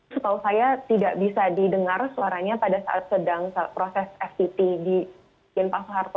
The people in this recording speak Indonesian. setahu saya tidak bisa didengar suaranya pada saat sedang proses fct di inpak soeharto